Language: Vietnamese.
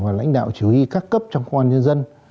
và lãnh đạo chủ y các cấp trong công an nhân dân